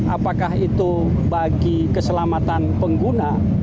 apakah itu bagi keselamatan pengguna